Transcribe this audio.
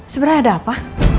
sebenernya ada apa